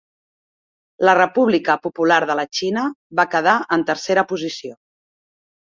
La República Popular de la Xina va quedar en tercera posició.